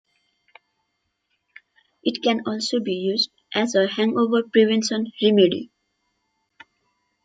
It can also be used as a hangover prevention remedy.